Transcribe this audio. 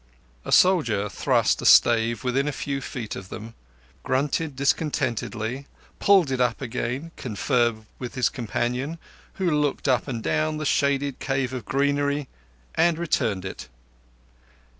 A soldier thrust a stave within a few feet of them, grunted discontentedly, pulled it up again, conferred with his companion, who looked up and down the shaded cave of greenery, and returned it.